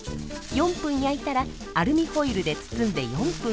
４分焼いたらアルミホイルで包んで４分。